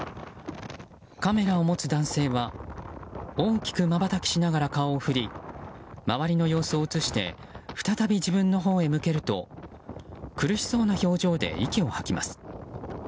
カメラを持つ男性は大きくまばたきしながら顔を振り周りの様子を映して再び自分のほうへ向けると苦しそうな表情で息を吐きます。